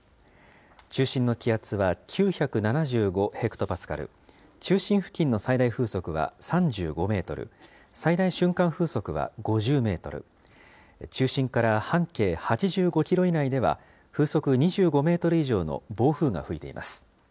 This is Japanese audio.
中心の気圧は９７５ヘクトパスカル、中心付近の最大風速は３５メートル、最大瞬間風速は５０メートル、中心から半径８５キロ以内では、風速２５メートル以上の暴風が吹いています。